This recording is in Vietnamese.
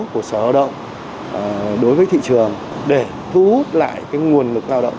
của sở lao động đối với thị trường để thu hút lại cái nguồn lực lao động